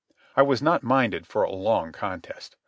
I was not minded for a long contest.